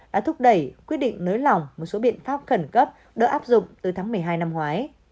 đã thúc đẩy quyết định nới lỏng một số biện pháp khẩn cấp đỡ áp dụng từ tháng một mươi hai năm ngoái